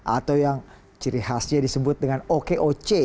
atau yang ciri khasnya disebut dengan okoc